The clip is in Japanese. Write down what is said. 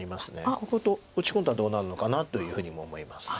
ここと打ち込んだらどうなるのかなというふうにも思います。